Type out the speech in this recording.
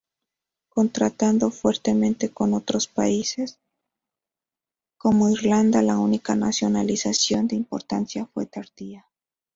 Contrastando fuertemente con otros países como Irlanda, la única nacionalización de importancia fue tardía.